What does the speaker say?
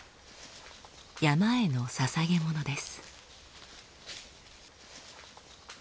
山への捧げ物です。